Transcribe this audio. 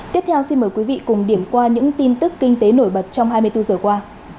tiếp theo xin mời quý vị cùng điểm qua những tin tức kinh tế nổi bật trong hai mươi bốn giờ qua